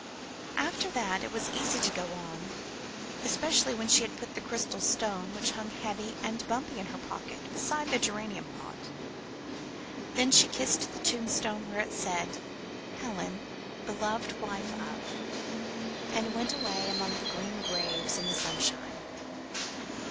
After that it was easy to go on, especially when she had put the crystal stone, which hung heavy and bumpy in the pocket, beside the geranium pot. Then she kissed the tombstone where it said, "Helen, beloved wife of " and went away among the green graves in the sunshine.